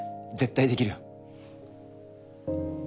絶対できるよ！